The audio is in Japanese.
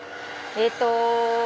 えっと。